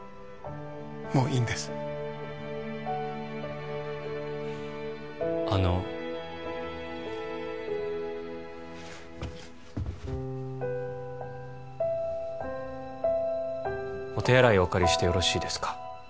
もういいんですあのお手洗いお借りしてよろしいですか？